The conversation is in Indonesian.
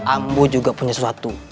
ambo juga punya sesuatu